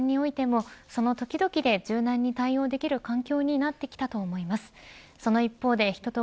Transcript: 仕事をする場所や時間においてもその時々で柔軟に対応できる環境になってきたと思います。